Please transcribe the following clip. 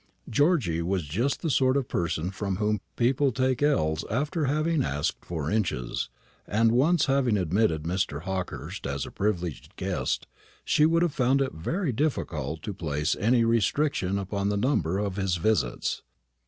Georgy was just the sort of person from whom people take ells after having asked for inches; and once having admitted Mr. Hawkehurst as a privileged guest, she would have found it very difficult to place any restriction upon the number of his visits.